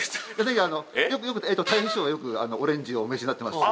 よくたい平師匠は、よくオレンジをお召しになってますし。